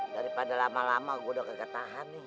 daripada lama lama gue udah kagak tahan nih